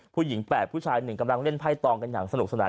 ผู้หญิงแปดผู้ชายหนึ่งกำลังเล่นไพ้ตองกันอย่างสนุกสนาน